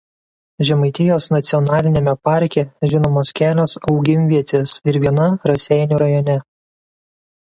Žemaitijos nacionaliniame parke žinomos kelios augimvietės ir viena Raseinių raj.